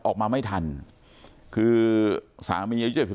ออกมาไม่ทันคือสามินยายุทธครับ